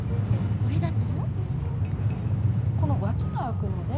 これだと。